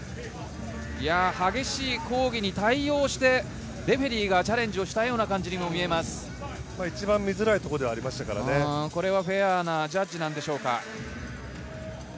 激しい抗議に対応してレフェリーがチャレンジをしたような感じに一番見づらいところでこれはフェアなジャッジなんでしょうか。